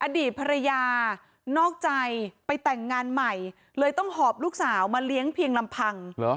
อดีตภรรยานอกใจไปแต่งงานใหม่เลยต้องหอบลูกสาวมาเลี้ยงเพียงลำพัง